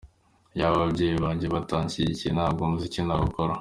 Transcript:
Iyaba ababyeyi banjye batanshyigikiye ntabwo umuziki nawukora.